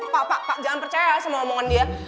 pak pak jangan percaya semua omongan dia